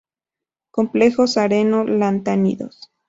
Complejos areno-lantánidos.